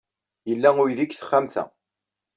Yella uydi deg texxamt-a.